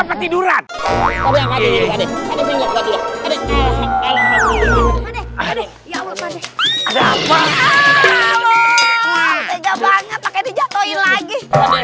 ada apa banget lagi